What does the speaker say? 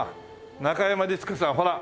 中山律子さんほら。